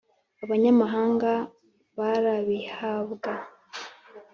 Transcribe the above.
Abanyamahanga barabihabwa